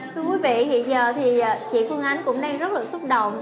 thưa quý vị hiện giờ thì chị phương ánh cũng đang rất là xúc động